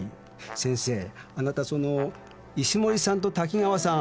先生あなたその石森さんと滝川さん